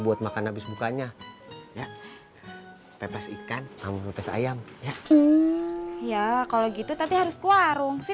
buat makan habis bukanya ya pepes ikan ampe sayang ya kalau gitu tadi harus kuarung sini